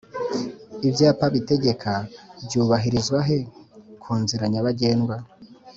Ibyapa bitegeka by’ubahirizwahe kunzira nyabagendwa